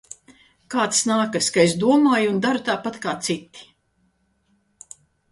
Kā tas nākas, ka es domāju un daru tāpat kā citi?